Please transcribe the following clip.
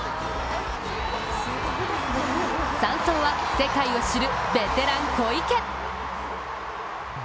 ３走は世界を知るベテラン小池。